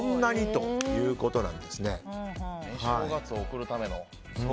寝正月を送るための。